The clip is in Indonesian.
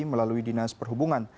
melalui dinas perhubungan